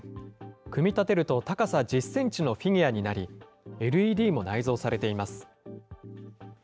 組み立てると高さ１０センチのフィギュアになり、ＬＥＤも内蔵されています。